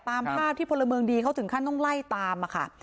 ตามภาพที่พลเมืองดีเขาถึงขั้นต้องไล่ตามมาค่ะ